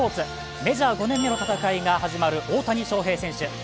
メジャー５年目の戦いが始まる大谷翔平選手。